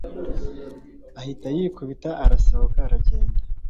ahita yikubita arasohoka arigendera